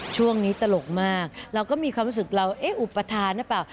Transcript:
ช่วงนี้ตลกมากเราก็มีความรู้สึกเราเอ๊ะอุปทานหรือเปล่า